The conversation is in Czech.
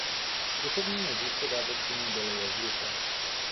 Duchovními vůdci vévodkyně byli jezuité.